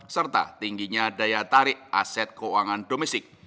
serta tingginya daya tarik aset keuangan domestik